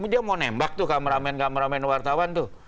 dia mau nembak tuh kameramen kameramen wartawan tuh